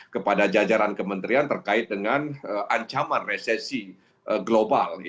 kepada jajaran kementerian terkait dengan ancaman resesi global